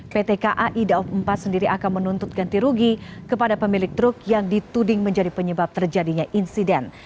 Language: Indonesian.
pt kai daob empat sendiri akan menuntut ganti rugi kepada pemilik truk yang dituding menjadi penyebab terjadinya insiden